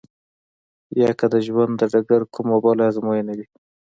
يا که د ژوند د ډګر کومه بله ازموينه وي.